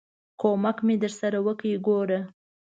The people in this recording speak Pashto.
ک و م ک مې درسره وکړ، ګوره!